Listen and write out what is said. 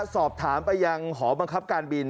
สอบถามไปยังหอบังคับการบิน